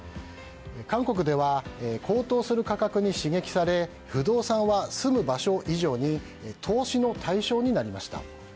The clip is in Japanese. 韓国では高騰する価格に刺激され不動産は住む場所以上に投資の対象になりました。